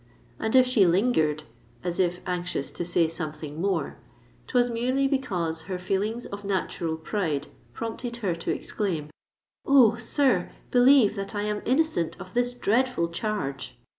And if she lingered—as if anxious to say something more—'twas merely because her feelings of natural pride prompted her to exclaim, "Oh! sir, believe that I am innocent of this dreadful charge!"